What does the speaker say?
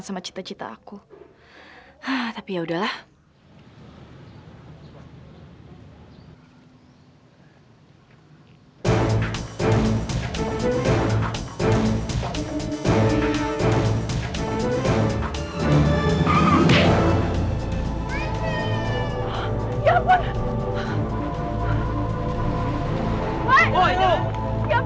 sampai jumpa di video selanjutnya